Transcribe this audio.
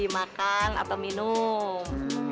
makan atau minum